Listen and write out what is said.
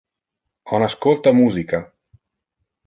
On ascolta musica.